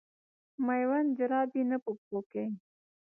مېوند جراپي نه په پښو کوي.